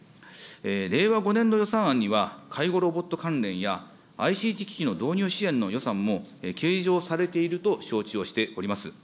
令和５年度予算案には介護ロボット関連や、ＩＣＴ機器の計上されていると承知をしております。